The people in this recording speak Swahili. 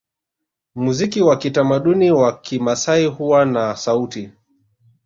Muziki wa kitamaduni wa Kimasai huwa na sauti